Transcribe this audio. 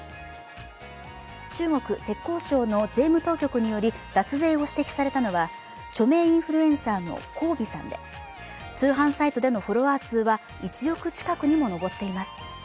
中国・浙江省の税務当局により脱税を指摘されたのは著名インフルエンサーの黄薇さんで通販サイトでのフォロワー数は１億近くにも上っています。